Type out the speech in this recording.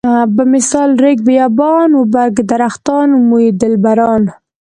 بمثال ريګ بيابان و برګ درختان موی دلبران.